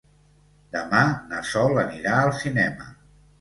Demà na Sol anirà al cinema.